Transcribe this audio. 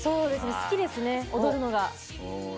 好きですね、踊るのが。